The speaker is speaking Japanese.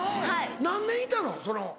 何年いたの？